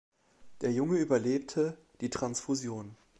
Der Junge überlebte die Transfusion.